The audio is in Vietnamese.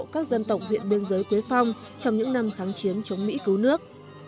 các dân tộc huyện biên giới quế phong trong những năm kháng chiến chống mỹ cứu nước